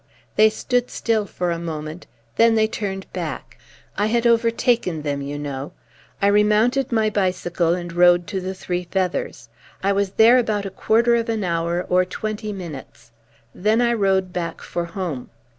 They stood still for a moment. Then they turned back. I had overtaken them, you know. I remounted my bicycle and rode to The Three Feathers. I was there about a quarter of an hour or twenty minutes. Then I rode back for home.